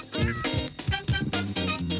เป็นไหร่๓๕๔๑๙